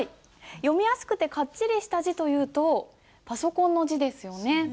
読みやすくてかっちりした字というとパソコンの字ですよね。